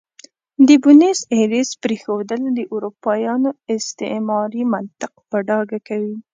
د بونیس ایرس پرېښودل د اروپایانو استعماري منطق په ډاګه کوي.